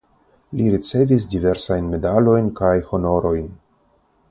Li ricevis diversajn medalojn kaj honorojn.